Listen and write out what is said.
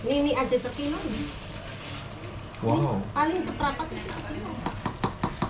ini paling seprapat itu satu kg